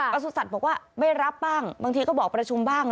ประสูจน์ศัตริย์บอกว่าไม่รับบ้างบางทีก็บอกประชุมบ้าง